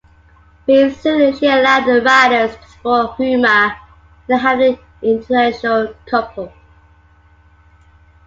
Being Zulu, she allowed the writers to explore humour in having an interracial couple.